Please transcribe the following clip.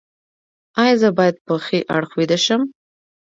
ایا زه باید په ښي اړخ ویده شم؟